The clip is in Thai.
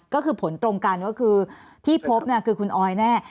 ก็คือผลตรงกันก็คือที่พบคือคุณออยแน่